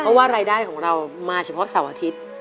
เพราะว่ารายได้ของเรามาเฉพาะเสาร์อาทิตย์